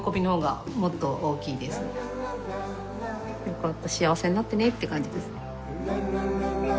よかった幸せになってねって感じです。